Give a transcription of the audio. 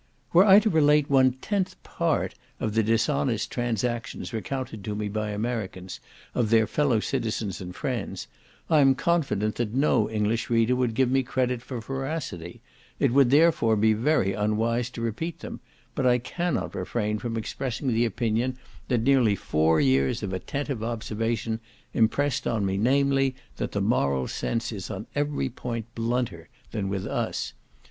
Were I to relate one tenth part of the dishonest transactions recounted to me by Americans, of their fellow citizens and friends, I am confident that no English reader would give me credit for veracity it would, therefore, be very unwise to repeat them, but I cannot refrain from expressing the opinion that nearly four years of attentive observation impressed on me, namely, that the moral sense is on every point blunter than with us.